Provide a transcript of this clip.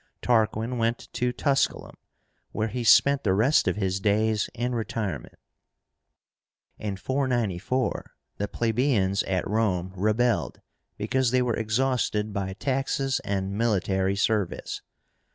Tarquin went to Tusculum, where he spent the rest of his days in retirement. In 494 the plebeians at Rome rebelled, because they were exhausted by taxes and military service.